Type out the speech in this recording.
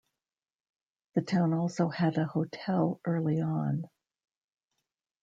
The town also had a hotel early on.